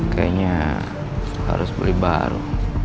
kayaknya harus beli baru